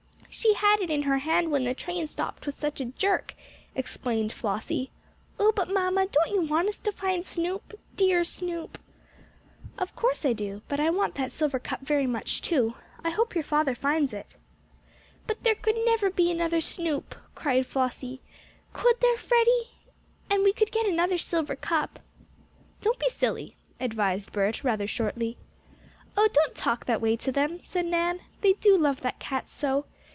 "She had it in her hand when the train, stopped with such a jerk," explained Flossie. "Oh, but mamma, don't you want us to find Snoop dear Snoop?" "Of course I do. But I want that silver cup very much, too. I hope your father finds it." "But there never could be another Snoop," cried Flossie. "Could there, Freddie? And we could get another silver cup." "Don't be silly," advised Bert, rather shortly. "Oh, don't talk that way to them," said Nan. "They do love that cat so.